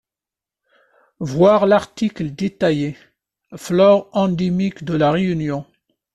Voir l'article détaillé: Flore endémique de la Réunion.